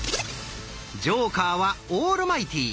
ジョーカーはオールマイティー。